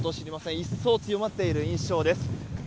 一層強まっている印象です。